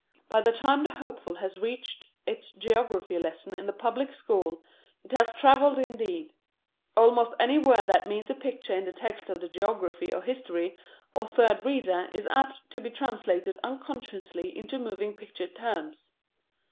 By the time the hopeful has reached its geography lesson in the public school it has travelled indeed. Almost any word that means a picture in the text of the geography or history or third reader is apt to be translated unconsciously into moving picture terms.